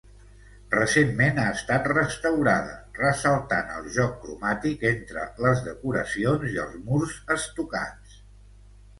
Recentment ha estat restaurada, ressaltant el joc cromàtic entre les decoracions i els murs estucats.